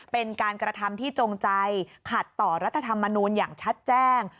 เป็นการกระทำที่จงใจขัดต่อรัฐธรรมนูลอย่างชัดแจ้ง